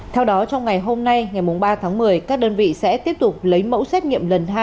theo đó trong ngày hôm nay ngày ba tháng một mươi các đơn vị sẽ tiếp tục lấy mẫu xét nghiệm lần hai